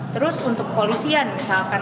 terus untuk polisian misalkan